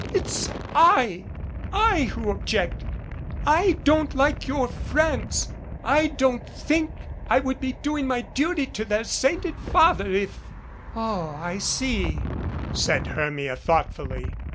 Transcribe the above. "It's I I who object. I don't like your friends. I idon't think I would be doing my duty to their sainted father if " "Oh, I see," said Hermia thoughtfully.